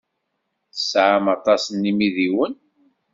Tesɛam aṭas n yimidiwen.